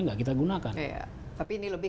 nggak kita gunakan tapi ini lebih